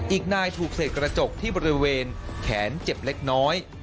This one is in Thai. อีกนายถูกเศษกระจกที่บริเวณแขนเจ็บเล็กน้อย